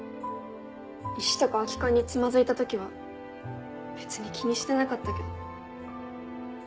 石とか空き缶につまずいた時は別に気にしてなかったけど。